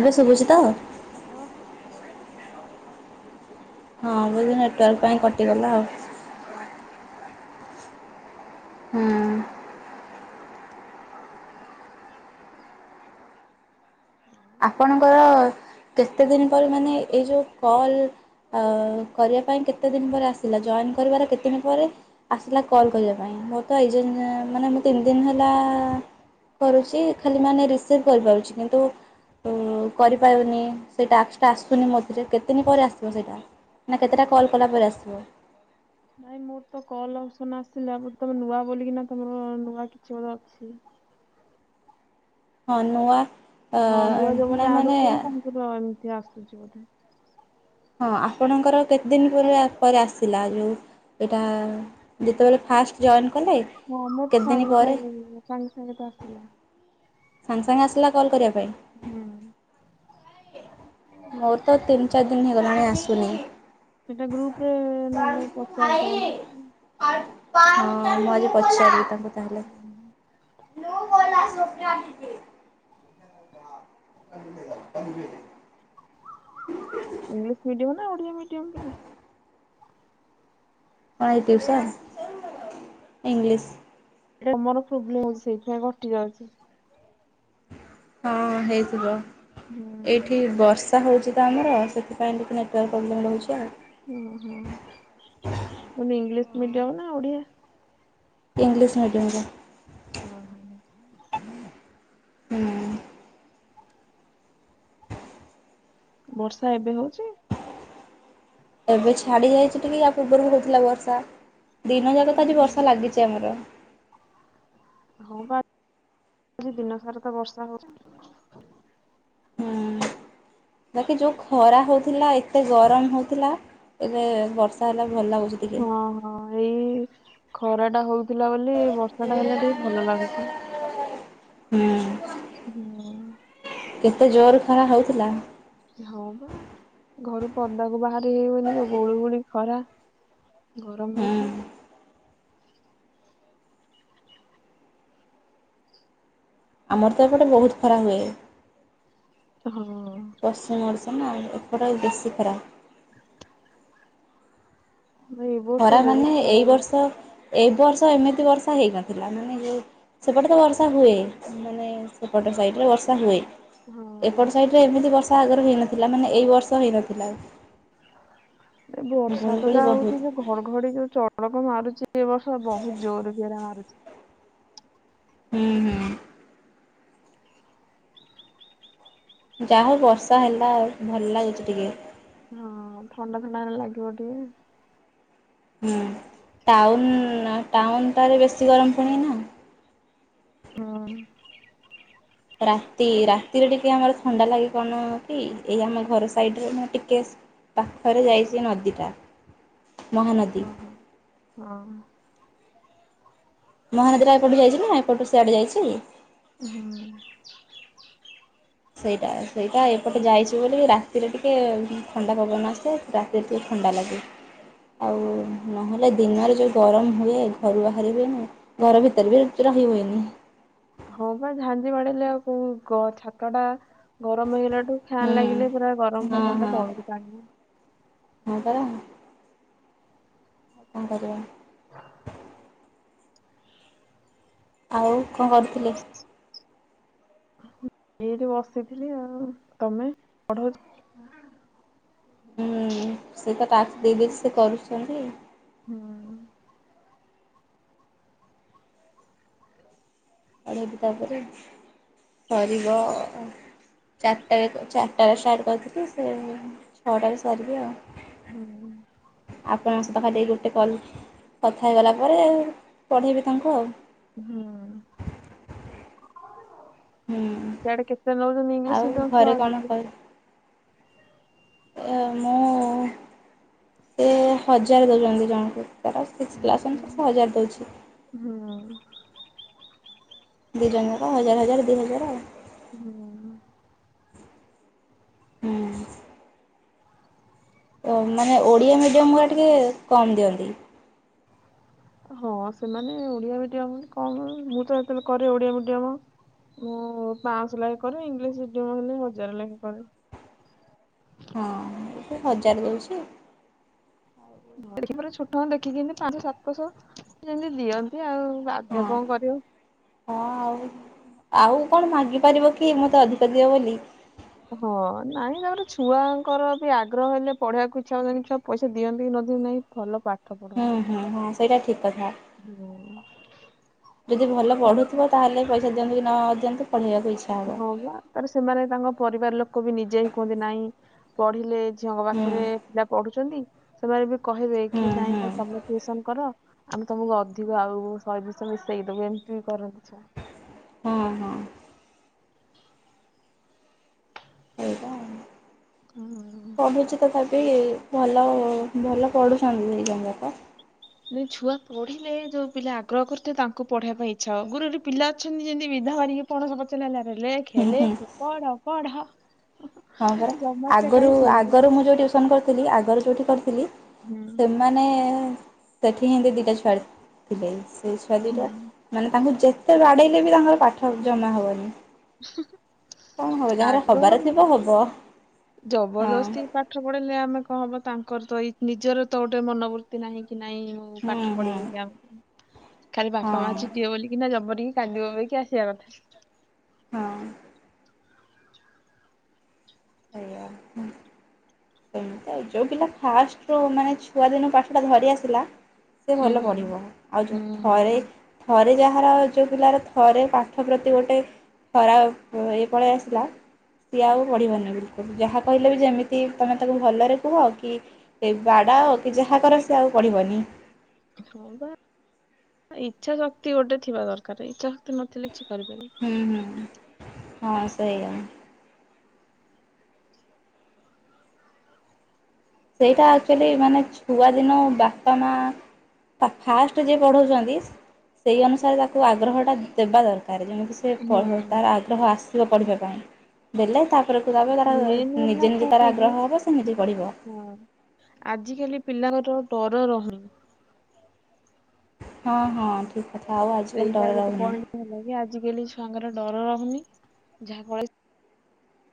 ଏବେ ଶୁବୁଚି ତ? ହଁ ହଁ ଶୁବା ଯାଉଚି। ହଁ ବୋଧେ ଭଏସ୍ ଟିକେ ନେଟୱାର୍କ ଶୁଣା ପାଇଁ ହଉନି। କଟିଗଲା ଆଉ। ହଁ ପା। ହୁଁ। ଆଉ ଆପଣଙ୍କର କେତେ ଦିନ ପରେ ମାନେ ଏଇ ଯୋଉ କଲ୍ ଆଉ କରିବା ପାଇଁ କେତେ ଦିନ ପରେ ଆସିଲା ଜଏନ୍ କରିବାର କେତେ ଦିନ ପରେ ଆସିଲା କଲ୍ କରିବା ପାଇଁ ମୋର ତ ଏ ଯାଏଁ ମାନେ ମୁଁ ତିନି ଦିନ ହେଲା କରୁଚି ଖାଲି ମାନେ ରିସିଭ୍ କରିପାରୁଚି କିନ୍ତୁ କରିପାରୁନି ସେ ଟାକ୍ସଟା ଆସୁନି ମୋ ଥିରେ କେତେ ଦିନ ପରେ ଆସିବ ସେଇଟା? ନା କେତେଟା କଲ୍ କଲା ପରେ ଆସିବ? ନାଇଁ ମୋର ତ କଲ୍ ଅପସନ୍ ଆସିଲା ବୋଧେ ତମେ ନୂଆ ବୋଲିକିନା ତମର ନୂଆ କିଛି ବୋଧେ ଅଛି। ହଁ ନୂଆ ଅ ହଁ ନୂଆ ଯୋଉମାନେ ନାଇଁ ଆଡ୍ ହୋଉଚନ୍ତି ମାନେ ତାଙ୍କର ଏମିତି ଆସୁଚି ବୋଧେ। ହଁ ଆପଣଙ୍କର କେତେ ଦିନ ପରେ ପରେ ଆସିଲା ଯୋଉ ଏଇଟା ଯେତେବେଳେ ଫାଷ୍ଟ ଜଏନ୍ କଲେ? ହଁ ମୋର ତ କେତେ ଦିନ ସାଙ୍ଗେ ପରେ ସାଙ୍ଗେ ସାଙ୍ଗେ ସାଙ୍ଗେ ତ ଆସିଲା। ସାଙ୍ଗେ ସାଙ୍ଗେ ଆସିଲା କଲ୍ କରିବା ପାଇଁ? ହୁଁ। ମୋର ତ ତିନି ଚାରି ଦିନ ହେଇଗଲାଣି ଆସୁନି। ସେଟା ଗ୍ରୁପରେ ନ ହେଲେ ପଚାରିଦୋଉ ନାହାଁନ୍ତି। ହଁ ମୁଁ ଆଜି ପଚାରିବି ତାଙ୍କୁ ତାହଲେ। [unintelligible] [unintelligible] ଇଂଲିଶ ମିଡିୟମ ନା ଓଡିଆ ମି ଡିୟମ ପିଲା? ହଁ ଏଇ ଟିଉସନ ଇଂଲିଶ ତମର ପ୍ରୋବ୍ଲେମ ହୋଉଚି ସେଇଥିପାଇଁ କଟି ଯାଉଚି। ହଁ ହେଇଥିବ ହୁଁ ଓହୋ। ଏଇଠି ବ ର୍ଷା ହୋଉଚି ତ ଆମର ସେଥିପାଇଁ ଟିକେ ନେଟୱାର୍କ ପ୍ରୋବ୍ଲେମ୍ ରହୁଚି ଆଉ। ଉଁ ହୁଁ ମୁଁ କହିନି ଇଂଲିଶ ମିଡିୟମ ନା ଓଡିଆ ଇଂଲିଶ ମିଡିୟମ ଟା। ଓ ହୋ। ହୁଁ। ବର୍ଷା ଏବେ ହୋଉଚି। ଏବେ ଛାଡି ଯାଇଚି ଟିକେ ୟା ପୂର୍ବରୁ ହୋଉଥିଲା ବର୍ଷା। ଦିନ ଯାକ ତ ଆଜି ହୁଁ। ବର୍ଷା ଲାଗିଚି ଆମର। ହଁ ବା ଆଜି ଦିନ ସାରା ତ ବର୍ଷା ହୋଉଚି ଆଉ। ହୁଁ ବାକି ଯୋଉ ଖରା ହୋଉଥିଲା ଏତେ ଗରମ ହୋଉଥିଲା ଏବେ ବର୍ଷା ହେଲା ଭଲ ଲାଗୁଚି। ହଁ ହଁ ଏଇ ଖରା ଟା ହୋଉ ଥିଲା ବୋଲି ବର୍ଷାଟା ହେଲେ ଟିକେ ଭଲ ଲାଗୁଚି। ହୁଁ ହଁ। କେତେ ଜୋରେ ଖରା ହୋଉଥିଲା। ହଁ ବା ଘରୁ ପଦାକୁ ବାହାରି ହେଇହୁଏନି ଯୋଉ ଗୁଳି ଗୁଳି ଖରା ଗରମ ହୁଁ ହୋଉଥୁଲା। ଆମର ତ ଏପଟେ ବୋହୁତ ଖରା ହୁଏ। ହଁଅ। [unintelligible] ଓପରା ବେଶୀ ଖରା ହ [inaudible] ଖରା ମାନେ ବହୁତ ଏଇ ଗରମ ବର୍ଷ ଏ ବର୍ଷ ଏମିତି ବର୍ଷା ହେଇନଥିଲା ମାନେ ଯୋଉ ସେପଟେ ତ ବର୍ଷା ହୁଏ। ମାନେ ସେପଟ ସାଇଡ଼ରେ ବର୍ଷା ହୁଏ। ହଁ ଏପଟ ସଇଡରେ ଏମିତି ବର୍ଷା ଆଗରୁ ହେଇନଥିଲା ମାନେ ଏଇ ବର୍ଷ ହେଇନଥିଲା। ଏ ବର୍ଷା ତ ଗୁଳୁଗୁଳି ଯାହା ବହୁତ ହୋଉ ଏପଟ୍ ଘଡଘଡି ଯୋଉ ଚଡକ ମାରୁଚି ଏ ବର୍ଷ ବୋହୁତ ଜୋରେ ଜୋରେ ମାରୁଚି। ଉଁ ହୁଁ। ଯାହା ହୋଉ ବର୍ଷା ହେଲା ଆଉ ଭଲ ଲାଗୁଚି ଟିକେ। ହଁ ଥଣ୍ଡା ଥଣ୍ଡା ଏବେ ଲାଗିବ ଟିକେ। ହୁଁ ଟାଉନ ଆଉ ଟାଉନଟାରେ ବେଶୀ ଗରମ ପୁଣି ଏନା। ହଁ। ରାତି ରାତିରେ ଟିକେ ଆମର ଥଣ୍ଡା ଲାଗେ କଣ କି ଏଇ ଆମ ଘର ସାଇଡରେ ମୁଁ ଟିକେ ପାଖରେ ଯାଇଚି ନଦୀଟା ମହାନଦୀ ଓହୋ ହଁ। ମହାନଦୀଟା ଏପଟୁ ଯାଇଚି ନା ଏପଟୁ ସିଆଡ଼େ ଯାଇଚି। ହୁଁ। ସେଇଟା ସେଇଟା ଏପଟେ ଯାଇଛି ବୋଲିିକି ରାତିରେ ଟିକେ ଉଁ ଥଣ୍ଡା ପବନ ଆସେ। ରାତିରେ ଟିକେ ଥଣ୍ଡା ଲାଗେ। ଆଉ ନହେଲେ ଦିନରେ ଯୋଉ ଗରମ ହୁଏ ଘରୁ ବାହାରି ହୁଏନି। ଘର ଭିତରେ ବି ରହି ହଏନି। ହଁ ପା ଝାଞ୍ଜି ବାଡେଇଲେ ଆଉ ପୁଣି ଗ ଛାତଟା ଗରମ ହେଇଗଲାଠୁ ଫ୍ୟାନ୍ ଲାଗିଲେ ପୁରା ଗରମ ହଁ ହଁ ପବନଟା ତଳକୁ ଟାଣିବ। ହଁ ପରା। କଣ କରିବା। ହ ଆଉ କଣ କରୁଥୁଲେ। ଏଇଠି ବସିଥିଲି ଆଉ ତମେ ପଢୋଉଚ ହୁଁ ସେ ତ ତାକୁ ଦେଇଦେଇଚି ସେ କରୁଛନ୍ତି। ହୁଁ। ପଢେଇବି ତାପରେ ସାରିବ ଅ ଚାରଟାରେ କ ଚାରଟାରେ ଷ୍ଟାର୍ଟ କରିଥିଲି ସେ ଛଅଟାରେ ସାରିବି ଆଉ। ହୁଁ। ଆପଣଙ୍କ ସହିତ ଖାଲି ଏଇ ଗୋଟେ କଲ୍ କଥା ହେଇଗଲା ପରେ ପଢ଼େଇବି ତାଙ୍କୁ ଆଉ। ଉଁହୁଁ। ହୁଁ ସିଆଡେ କେତେ ନୋଉଚନ୍ତି ଆଉ ଇଂଲିଶ ମିଡିୟମ ଘରେ ଛୁଆ କଣ [unintelligible] ଏ ମୁଁ ଏ ହଜାର ଦୋଉଚନ୍ତି ଜଣକୁ। ତାର ସିକ୍ସ କ୍ଲାସ୍ ଅନୁସାରେ ସେ ହଜାରେ ଦୋଉଛି। ଉଁହୁଁ। ଦିଇ ଜଣ ଜାକ ହଜାର ହଜାର ଦିଇ ହଜାର ଆଉ। ହୁଁ। ମାନେ ଓଡ଼ିଆ ମିଡ଼ିୟମ ଗୁା ଟିକେ କମ୍ ଦିଅନ୍ତି। [inaudible] ହଁ ସେମାନେ ଓଡିଆ ମିଡିୟମ କଣ ମୁଁ ତ ଯେତେବେଳେ କରେ ଓଡିଆ ମିଡିୟମ ମୁଁ ପାଞ୍ଚଶହ ଲେଖେ କରେ ଇଂଲିଶ ମିଡିୟମ ହେଲେ ହଜାର ଲେଖେ କରେ। ହଁ ହଜାର ଦୋଉଛି। ଦେଖ ପରେ [unintelligible] ଛୋଟ ଦେଖିକି ଏମିତି ପାଞ୍ଚ ସାତଶହ ଯେମିତି ଦିଅନ୍ତି ଆଉ ବାଧ୍ୟ କଣ କରିବୁ। ହଁ ଆଉ ଆଉ କଣ ମାଗିପାରିବ କି ମୋତେ ଅଧିକ ଦିଅ ବୋଲି। ହଁ ନାଇଁ ତାପର ଛୁଆଙ୍କର ବି ଆଗ୍ରହ ହେଲେ ପଢେଇବାକୁ ଇଚ୍ଛା ହଉ ପଇସା ଦିଅନ୍ତି କି ନଦିଅ ନାହିଁ ଭଲ ପାଠ ହୁଁ ହୁଁ ହଁ ସେଇଟା ଠିକ୍ କଥା। ହୁଁ। ଯଦି ଭଲ ପଢ଼ୁଥିବ ତାହେଲେ ପଇସା ଦିଅନ୍ତୁ କି ନଦିଅନ୍ତୁ ପଢ଼େଇବାକୁ ଇଚ୍ଛା ହେବ। ହଁ ବା ତାର ସେମାନେ ତାଙ୍କ ପରିବାର ଲୋକ ବି ନିଜେ ହି କୁହନ୍ତି ନହିଁ ପଢିଲେ ଝିଅଙ୍କ ହୁଁ ପାଖରେ ପିଲା ପଢୁଛନ୍ତି ସେମାନେ ବି କହିବେ ହୁଁ କି ହୁଁ ନାଇଁ ତମେ ଟସନ କର ଆମେ ତମକୁ ଅଧିକ ଆଉ ଶହେ ବିଶ ମିଶେଇଦବୁ ଏମିତି ବି କରନ୍ତି ଛୁଆ। ହଁ ହଁ। ସେଇଟା ଆଉ। ହଁ। ପଢ଼ୁଛି ତଥାପି ଭଲ ଭଲ ପଢ଼ୁଛନ୍ତି ଦିଇ ଜଣଙ୍କ। ଯେ ଛୁଆ ପଢିଲେ ଯୋଉ ପିଲା ଆଗ୍ରହ କରିଥାବେ ତାଙ୍କୁ ପଢେଇବା ପାଇଁ ଇଚ୍ଛା ହବ୍। ଗୁରୁ ଗୋଟେ ପିଲା ଅଛନ୍ତି [unintelligible] ପଣସ ପଚ ନଲେ ହୁଁ ଖେଲେ ହୁଁ କି ପଢ ପଢ ହଁ ପରା ଜମା ସେ ଆଗରୁ କାହିଁ ଶୁଣିବେ ଆଗରୁ ମୁଁ ଯୋଉ ଟିଉସନ କରିଥିଲି ଆଗରୁ ଯୋଉଠି କରିଥିଲି ହୁଁ ସେ ମାନେ ସେଠି ହିଁ ଦୁଇଟା ଛୁଆ ଥିଲେ ସେ ଛୁଆ ଦୁଇଟା ହୁଁ ମାନେ ତାଙ୍କୁ ଯେତେ ବାଡ଼େଇଲେ ବି ତାଙ୍କର ପାଠ ଜମା ହବନି। ହୁଁ। କଣ ହବ ଯାହାର ହବାର ଥିବ ହବ। ହଁ ଜବରଦସ୍ତି ପାଠ ପଢିଲେ ଆମେ କଣ ହବ ତାଙ୍କର ତ ଏଇ ନିଜର ତ ଗୋଟେ ମନ ନାହିଁ କି ନାଇଁ ହୁଁ ପାଠ ହୁଁ ପଢ଼ିବୁ କି ଆମେ ଖାଲି ହଁ ବାପା ମା ଚିଟିଏ ବୋିକିନା ଜମରିକି କାନ୍ଦିବ ବକି ଆସିବା କଥା। ହଁ। ସେୟା ହଁ। ଏମତି ଯୋଉଁ ପିଲା ଫାଷ୍ଟରୁୁ ମାନେ ଛୁଆଦିନୁ ପାଠଟା ଧରି ଆସିଥିଲା। ସେ ହୁଁ। ଭଲ ପଢ଼ିବ, ଆଉ ହୁଁ ଯେଉଁ ଥରେ ହୁଁ ଥରେ ଯାହାର ଯୋଉ ପିଲାର ଥରେ ପାଠ ପ୍ରତି ଗୋଟେ ଖରା ଏ ପଳେଇ ଆସିଲା ସିଏ ଆଉ ପଢିବନି। ଯାହା କହିଲେ ବି ଯେମିତି ତୁମେ ତାକୁ ଭଲରେ କୁହ କି ସେ ବାଡ଼ା କି ଯାହା କର ସେ ଆଉ ପଢ଼ିବନି। ହଁ ବା ଇଚ୍ଛା ଶକ୍ତି ଗୋଟେ ଥିବା ଦରକାର ଇଚ୍ଛା ଶକ୍ତି ନଥିଲେ କିଛି କରିବେନି। ହୁଁ ହୁଁ ହଁ ସେଇୟା। ସେଇଟା ଆକ୍ଚୁଆଲି ମାନେ ଛୁଆଦିନ ବାପା ମା ଫାଷ୍ଟ ଯିଏ ପଢ଼ାଉଛନ୍ତି ସେଇ ଅନୁସାରେ ତାକୁ ଆଗ୍ରହଟା ଦେବା ଦରକାର ଯେମିତି ସେ ହୁଁ ପଢ଼ିବ ତାର ଆଗ୍ରହ ଆସିବ ପଢ଼ିବା ପାଇଁ ବଲେ ତା [unintelligible] ତାର ମେନ୍ ହେଲା ନିଜେ ନିଜେ ତାର କଣ କି ଆଗ୍ରହ ହବ ନିଜେ ପଢ଼ିବ। ହଁ ଆଜିକାଲି ପିଲାଙ୍କର ଡର ରହୁନି। ହଁ ହଁ ଠିକ। ସେଇଟା ଗୋଟେ ପଏଣ୍ଟ ହେଲା କି ଆଜିକାଲି ଛୁଆଙ୍କର ଡର ରହୁନି, ଯାହାଫଳ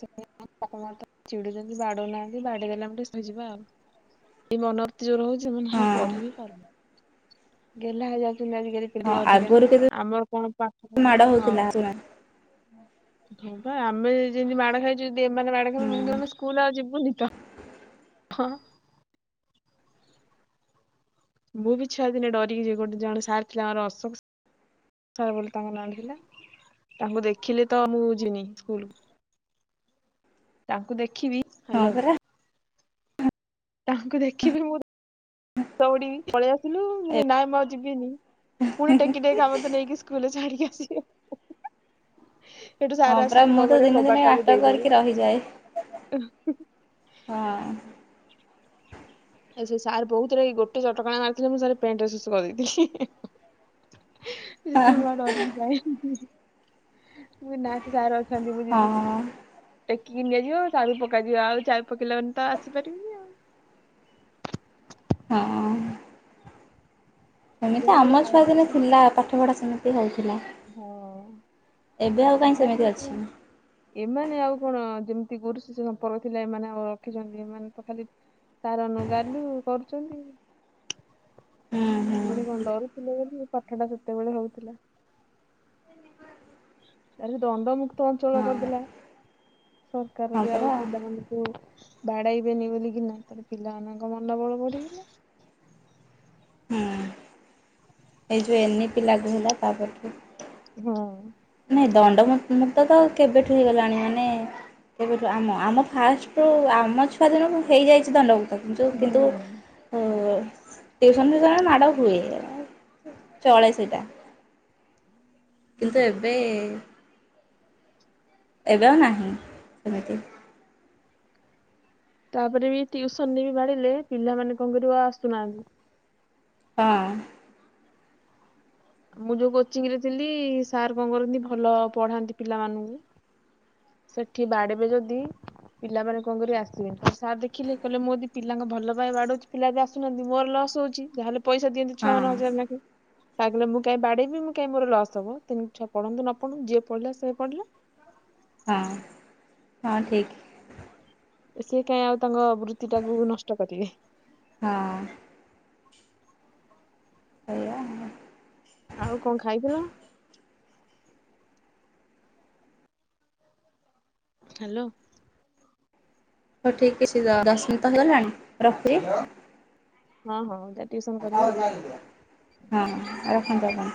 ସେପ [inaudible] ଚିଡୁଛନ୍ତି ବାଡଉନାହାନ୍ତି ବାଡେଇ ଦେଲେ ଆମେ ଟିକେ ଶହିଯିବା ଆଉ। ଏଇ ମନୋବୃତି ଯୋଉ ରହୁଛି ମାନେ ଆଉ ହଁ। ପଢି ବିି ପାରୁନି ଗେହ୍ଲା ହେଇଯାଉଛନ୍ତି ଆଜିକାଲି। ଏଠି ହଁ ଅଧିକା ଆଗରୁ ନା କେତେ ଆମର କଣ ପାଠପଢା ମାଡ଼ ହବ ହଉଥିଲା ଶୁଣ ହଁ। ହଁପା ଆମେ ଯେନ୍ତି ମାଡ ଖାଇଚୁ ଯଦି ଏମାନେ ମାଡ ହୁଁ ଖାଇବେଏମାନେ କହିବେ ଆମେ ସ୍କୁଲ ଆଉ ଯିବୁନି ତ। ହଁ। ମୁଁ ବି ଛୁଆ ଦିନେ ଡରିକିଯାଏ ଗୋଟେ ଜଣେ ସାର୍ ଥିଲେ ଆମର ଅଶୋକ ଥରେ ବୋଲି ତାଙ୍କ ନାଟି ଥିଲା। ତାଙ୍କୁ ଦେଖିଲେ ତ ମୁଁ ଜିମିନି ସ୍କୁଲ। ତାଙ୍କୁ ଦେଖିବି ହଁ ହ୍ୟାଲୋ ପରା। ତାଙ୍କୁ ଦେଖିବି ମୁଁ ଦଉଡିବି ପଳେଇ ଆସିଲୁ ମୁ ନାଇଁ ମୁ ଆଉ ଯିବିନି ପୁଣି ଟେକି ଟେକ ମତେ ନେଇକି ସ୍କୁଲରେ ଛାଡିକି ଆସିବେ। ହେଠୁ ହଁ ସାର ପରା ଆସିକି ମୁଁ କଣ ତ କରିବେ ଦିନେ ଦିନେ କବାଟ ଟାକୁ ନାଟକ ଦେଇଦେବ। କରିକି ରହିଯାଏ ହଁ। ନାଇଁ ସେ ସାର୍ ବହୁତ ରାଗି ଗୋଟେ ଚଟକଣା ମାରିଥିଲେ ମୁଁ ଥରେ ପେଣ୍ଟରେ ସୁସୁ କରିଦେଇଥିଲି। ସେଥିେ ମୁଁ ଆଉ ଡ଼ରିକି ଯାଇନି। ମୁଁ କହିବି ନାଁ ସେ ସାର ଅଛନ୍ତି ମୁଁ ଯିବିନି। ହଁ। ଟେକିକି ନିଆଯିବ ଚାବି ପକାଯିବ ଆଉ ଚାବି ପକେଇଲା ମାନେ ତ ଆସିପାରିବିନି। ଆଉ ହଁ। ସେମିତି ବେଳେ ଆମ ଛୁଆ ଲାଇଫ ଦିନେ ଥିଲା ପାଠ ପଢା ସେମିତି ହେଉଥିଲା। ହଁ ଏ ସେମିତି ଅଛି। [inaudible] ଏମାନେ ଆଉ କଣ ଯେମିତି ଗୁରୁ ଶିଷ୍ୟ ସମ୍ପର୍ବ ଥିଲା ଏମାନେ ଆଉ ରଖିଛନ୍ତି ଏମାନେ ତ ଖାଲି କାରଣ ଗାଲୁ କରୁଛନ୍ତି। ହୁଁ ହୁଁ ଆମବେଳେ କଣ ଡରୁ ଥିଲେ ବୋଲି ପାଠଟା ସେତେବେଳେ ହଉଥିଲା। ତାରେ ଦଣ୍ଡମୁକ୍ତ ଅଞ୍ଚଳ ହଁ କରିଦେଲା ସରକାର ହଁ ଯେ ପରା ଆଉ ପିଲାମାନେ ହୁଁ ବାଡେଇବେନି ବୋଲିକିନା ତାରେ ପିଲାମାନଙ୍କ ମନୋବଳ ବଢିଗଲା। ଏଇ ଯେଉଁ ଏନ୍ଇ ପି ଲାଗୁ ହେଲା ତାପରଠୁ। ହଁ। ନାଇଁ ଦଣ୍ଡ ମୁକ୍ତ ତ କେବେଠୁ ହେଇଗଲାଣି ମାନେ କେବେଠୁ ଆମ ଆମ ଫାଷ୍ଟରୁ ଆମ ଛୁଆ ଦିନୁ ହେଇଯାଇଛି ଦଣ୍ଡମୁକ୍ତ କିନ୍ତୁ କିନ୍ତୁ ଓ ହୁଁ ଟ୍ୟୁସନ୍ ଫ୍ୟୁସନରେ ମାଡ଼ ହୁଏ ଚଳେ ସେଇଟା। କିନ୍ତୁ ଏବେ ଏବେ ଆଉ ନାହିଁ ସେମିତି। ତାପରେ ବି ଟ୍ୟୁସନରେ ବି ବାଡେଇଲେ ପିଲାମାନେ କଣ କରିବେ ଆଉ ଆସୁନାହାନ୍ତି। ହଁ। ମୁଁ ଯୋଉ କୋଚିଂ ରେ ଥିଲି ସାର୍ କଣ କରନ୍ତି ଭଲ ପଢାନ୍ତି ପିଲାମାନଙ୍କୁ। ସେଠି ବାଡେଇବେ ଯଦି ପିଲାମାନେ କଣ କରିବେ ଆସିବେ କହିବେ ସାର୍ ଦେଖିଲେ କହିଲେ ମୁଁ ଜଦି ପିଲାଙ୍କ ଭଲ ପାଇଁ ବାଡଉଛି ପିଲା ବି ଆସୁନାହାନ୍ତି ମୋର ଲସ୍ ହଉଛି ଯାହାହଲେ ପଇସା ଦିଅନ୍ତି ହଁ ଛୁଆମାନେ ହଜାର ଲାଖେ। ସାର୍ କହିଲେ ମୁଁ କାଇଁ ବାଡେଇବି ମୁଁ କାଇଁ ମୋର ଲସ୍ ହବ ତେଣୁ ଛୁଆ ପଢନ୍ତୁ ନ ପଢନ୍ତୁ ଯିଏ ପଢିଲା ସେ ପଢିଲା। ହଁ। ହଁ ଠିକ୍। ସିଏ କାଇଁ ଆଉ ତାଙ୍କ ବୃତ୍ତି ଟାକୁ ନଷ୍ଟ କରିବେ। ହଁ ଅଁ। ସେଇୟା ଆଉ। ଆଉ କଣ ଖାଇଥିଲ? ହାଲୋ। ହଉ ଠିକ ଅଛି ଦ-ଦଶ ମିନିଟ୍ ତ ହେଇଗଲାଣି ରଖୁଛି। ହଁ, ହଁ ଯାଏ ଟିଉସନ୍ କରିବି ଆଉ। ହଁ ରଖନ୍ତୁ ଆପଣ।